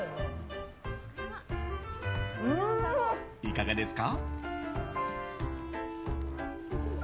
いかがですか？